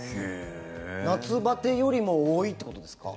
夏バテよりも多いということですか？